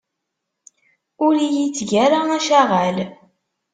Ur iyi-teg ara acaɣal.